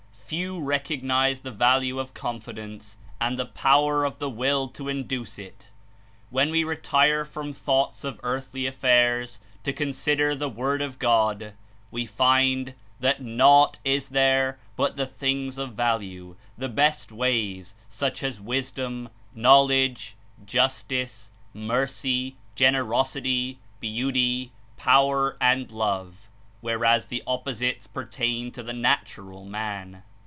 Few recognize the value of confidence and the power of the will to in 127 duce It. When we retire from thoughts of earthly affairs to consider the Word of God, we Confidence find that naught is there but the things of value, the best things, such as wis dom, knowledge, justice, mercy, generosity, beauty, .power, and love, whereas the opposites pertain to the natural man.